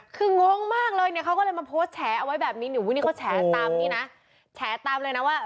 คืองงมากเลยเนี่ยเขาก็เลยมาโพสต์แฉเอาไว้แบบนี้นี่เขาแฉตามนี่นะแฉตามเลยนะว่า